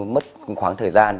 mất khoảng thời gian